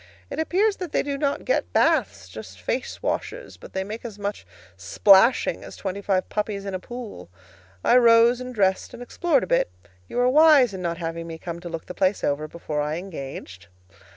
It appears that they do not get baths, just face washes, but they make as much splashing as twenty five puppies in a pool. I rose and dressed and explored a bit. You were wise in not having me come to look the place over before I engaged.